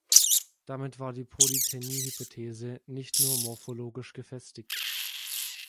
Damit war die Polytänie-Hypothese nicht nur morphologisch gefestigt.